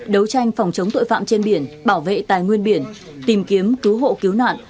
đấu tranh phòng chống tội phạm trên biển bảo vệ tài nguyên biển tìm kiếm cứu hộ cứu nạn